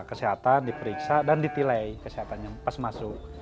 kesehatan diperiksa dan ditilai kesehatannya pas masuk